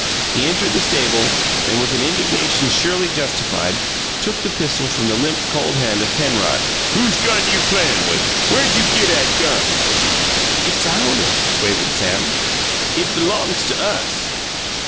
He entered the stable and, with an indignation surely justified, took the pistol from the limp, cold hand of Penrod. "Whose gun you playin' with? Where you git 'at gun?" "It's ours," quavered Sam. "It belongs to us."